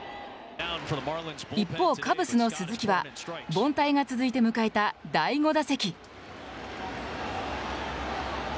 一方、カブスの鈴木は凡退が続いて迎えた第５打席。